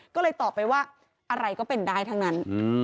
ก็เลยตอบไปว่าอะไรก็เป็นได้ทั้งนั้น